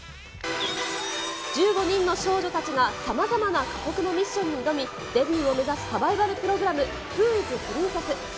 １５人の少女たちが、さまざまな過酷なミッションに挑み、デビューを目指すサバイバルプログラム、ＷｈｏｉｓＰｒｉｎｃｅｓｓ？